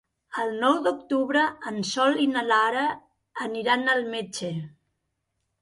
El nou d'octubre en Sol i na Lara aniran al metge.